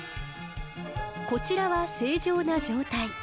こちらは正常な状態。